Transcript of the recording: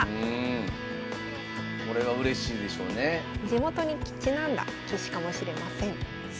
地元にちなんだ棋士かもしれません。